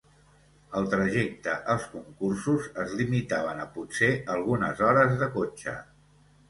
El trajecte als concursos es limitaven a potser algunes hores de cotxe.